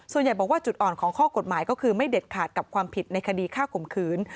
ส่วนใหญ่บอกว่าจุดอ่อนของข้อกฎหมายก็คือไม่เด็ดขาดกับความผิดในคดีฆ่าข่มขืน